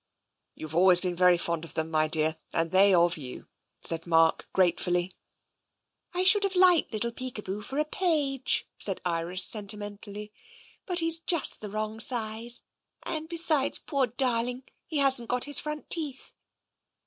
" You've always been very fond of them, my dear, and they of you," said Mark gratefully. " I should have liked little Peekaboo for a page," said Iris sentimentally, " but he's just the wrong size. And besides, poor darling, he hasn't got his front teeth.